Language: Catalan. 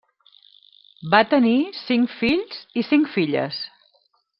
Va tenir cinc fills i cinc filles.